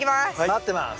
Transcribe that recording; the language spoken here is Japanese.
待ってます。